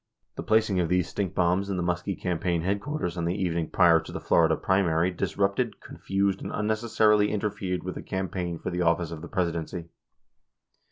30 The placing of these stink bombs in the Muskie campaign headquar ters on the evening prior to the Florida primary disrupted, confused, and unnecessarily interfered with a campaign for the office of the Presidency.